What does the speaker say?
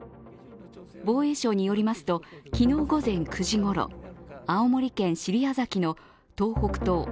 防衛省によりますと、昨日午前９時ごろ青森県尻屋崎の東北東